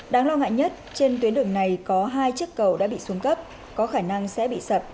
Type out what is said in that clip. đáng lo ngại nhất trên tuyến đường này có hai chiếc cầu đã bị xuống cấp có khả năng sẽ bị sập